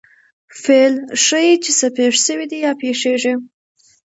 فعل ښيي، چي څه پېښ سوي دي یا پېښېږي.